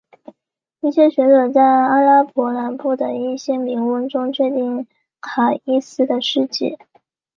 一些学者在阿拉伯南部的一些铭文中确定卡伊斯的事迹。